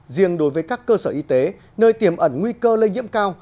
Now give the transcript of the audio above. riêng đối với các cơ sở y tế nơi tiềm ẩn nguy cơ lây nhiễm cao